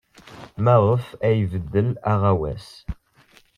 Maɣef ay ibeddel aɣawas?